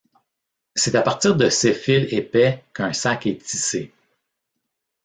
C'est à partir de ces fils épais qu'un sac est tissé.